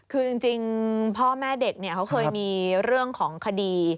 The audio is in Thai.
คือจริงพ่อแม่เด็กเนี่ยเขาเคยมีเรื่องของคดี